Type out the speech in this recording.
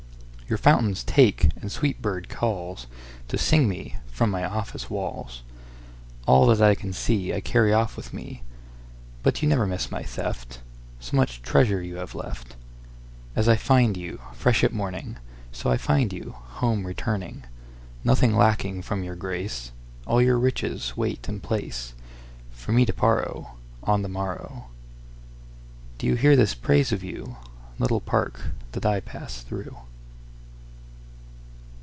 Your fountains take and sweet bird callsTo sing me from my office walls. All that I can seeI carry off with me. But you never miss my theft, So much treasure you have left. As I find you, fresh at morning, So I find you, home returning—Nothing lacking from your grace. All your riches wait in placeFor me to borrowOn the morrow. Do you hear this praise of you, Little park that I pass through?